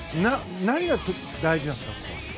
何が大事なんですか？